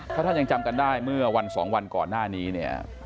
ถ้าท่านยังจำกันได้เมื่อวัน๒วันก่อนหน้านี้เนี่ย